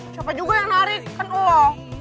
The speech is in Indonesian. siapa juga yang narik kan allah